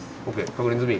確認済み？